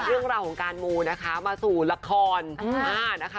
เรื่องราวของการมูนะคะมาสู่ละครนะคะ